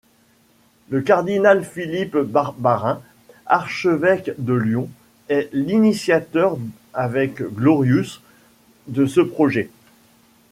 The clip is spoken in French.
Le cardinal Philippe Barbarin, archevêque de Lyon, est l'initiateur, avec Glorious, de ce projet.